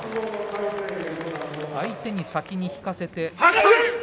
相手に先に引かせて。